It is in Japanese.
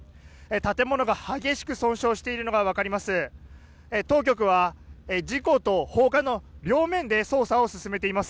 建物が激しく損傷しているのが分かります。